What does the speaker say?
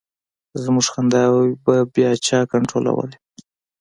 زمونږ خنداوې به بیا چا کنټرولولې.